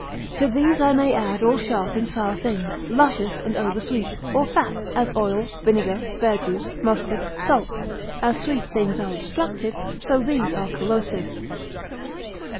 189. To these I may add all sharp and sour things, luscious and over sweet, or fat, as oil, vinegar, verjuice, mustard, salt; as sweet things are obstructive, so these are corrosive.